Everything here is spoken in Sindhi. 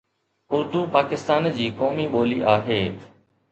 اردو پاڪستان جي قومي ٻولي آهي